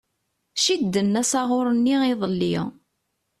Cidden asaɣuṛ-nni iḍelli.